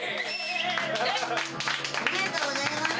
ありがとうございます。